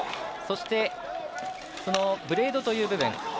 そして、そのブレードという部分。